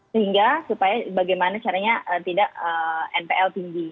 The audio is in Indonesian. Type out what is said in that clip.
sehingga supaya bagaimana caranya tidak npl tinggi